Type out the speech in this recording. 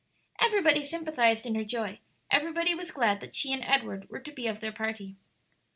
Everybody sympathized in her joy; everybody was glad that she and Edward were to be of their party.